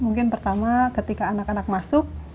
mungkin pertama ketika anak anak masuk